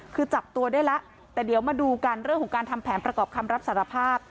คือจับตัวได้แล้วแต่เดี๋ยวมาดูกันเรื่องของการทำแผนประกอบคำรับสารภาพ